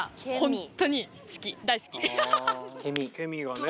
ケミがね。